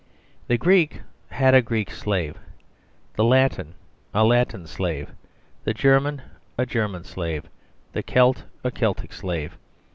The Greek had a Greek slave, the Latin a Latin slave, the German a German slave, the Celt a Celtic slave.